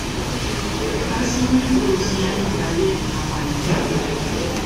Ha sido introducida en Italia y Hawái.